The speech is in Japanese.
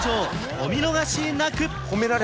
お見逃しなく！